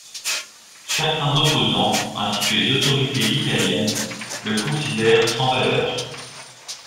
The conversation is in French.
Certains opposants, ainsi que les autorités italiennes, le considèrent sans valeur.